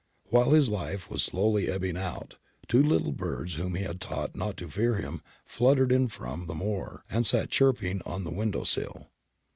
While his life was slowly ebbing out, two little birds whom he had taught not to fear him fluttered in from the moor, and sat chirping on the window sill.